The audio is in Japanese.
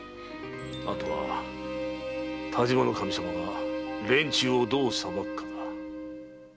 あとは但馬守様が連中をどう裁くかだ。